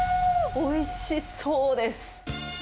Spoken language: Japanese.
おいしそうです。